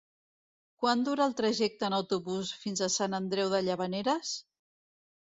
Quant dura el trajecte en autobús fins a Sant Andreu de Llavaneres?